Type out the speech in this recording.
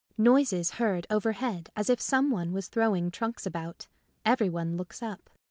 [Noises heard overhead as if some one was throwing trunks about. Every one looks up.